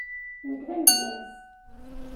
Nekk d amedyaz.